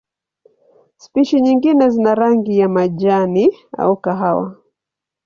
Spishi nyingine zina rangi ya majani au kahawa.